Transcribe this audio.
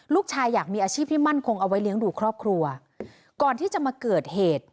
อยากมีอาชีพที่มั่นคงเอาไว้เลี้ยงดูครอบครัวก่อนที่จะมาเกิดเหตุ